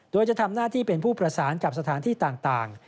โดยจะทำหน้าที่เป็นผู้ประสานกับสถานที่ต่าง